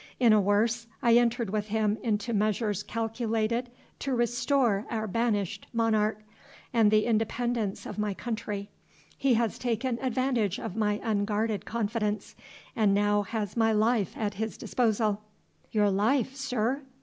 In a worse, I entered with him into measures calculated to restore our banished monarch, and the independence of my country. He has taken advantage of my unguarded confidence, and now has my life at his disposal." "Your life, sir?"